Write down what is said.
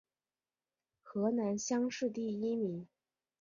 河南乡试第一名。